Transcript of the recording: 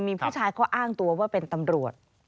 มีผู้ชายเขาอ้างตัวว่าเป็นตำรวจ